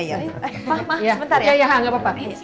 ya ya ya gak apa apa